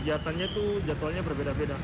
kegiatannya itu jadwalnya berbeda beda